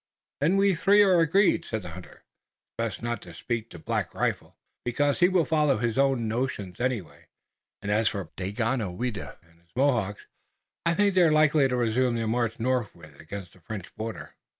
"Then we three are agreed," said the hunter. "It's best not to speak to Black Rifle, because he'll follow his own notions anyway, and as for Daganoweda and his Mohawks I think they're likely to resume their march northward against the French border."